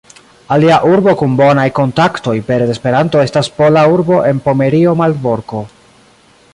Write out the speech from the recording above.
Alia urbo kun bonaj kontaktoj pere de Esperanto estas pola urbo en Pomerio Malborko.